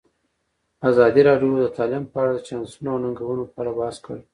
ازادي راډیو د تعلیم په اړه د چانسونو او ننګونو په اړه بحث کړی.